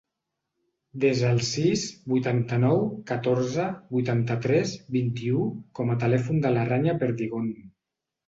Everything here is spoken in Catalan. Desa el sis, vuitanta-nou, catorze, vuitanta-tres, vint-i-u com a telèfon de la Rània Perdigon.